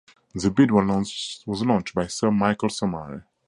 The bid was launched by Sir Michael Somare.